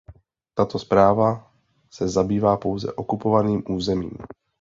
Tato zpráva se zabývá pouze okupovaným územím.